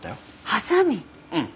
うん。